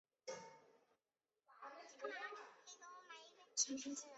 标题与登场人物的名字大多跟戏剧有关也是有意为之。